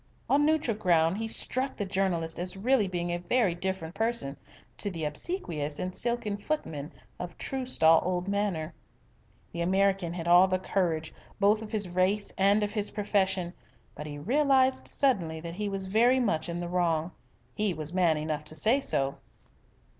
On neutral ground he struck the journalist as really being a very different person to the obsequious and silken footman of Trustall Old Manor. The American had all the courage, both of his race and of his profession, but he realised suddenly that he was very much in the wrong. He was man enough to say so.